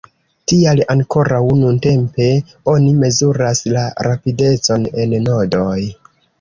Tial ankoraŭ nuntempe oni mezuras la rapidecon en nodoj.